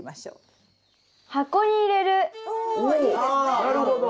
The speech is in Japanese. なるほど。